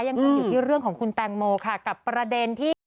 ยังคงอยู่ที่เรื่องของคุณแตงโมค่ะกับประเด็นที่